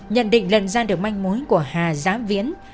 nhận định lần ra được manh mối của hà giám viễn